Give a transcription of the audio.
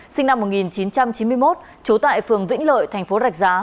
nguyễn thành thức sinh năm một nghìn chín trăm chín mươi một trú tại phường vĩnh lợi tp đạch giá